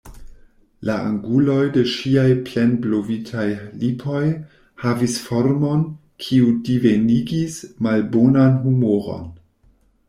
La anguloj de ŝiaj plenblovitaj lipoj havis formon, kiu divenigis malbonan humoron.